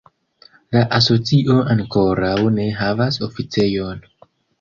La asocio ankoraŭ ne havas oficejon.